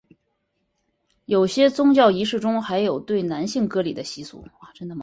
有些宗教仪式中还有对男性割礼的习俗。